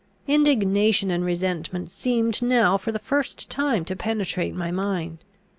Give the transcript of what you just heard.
Indignation and resentment seemed now for the first time to penetrate my mind.